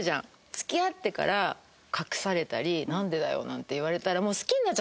付き合ってから隠されたり「なんでだよ」なんて言われたら。